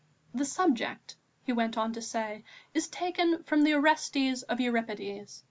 "The subject," he went on to say, "is taken from the Orestes of Euripides.